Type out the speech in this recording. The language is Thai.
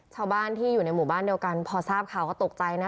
ชาวบ้านที่อยู่ในหมู่บ้านเดียวกันพอทราบข่าวก็ตกใจนะ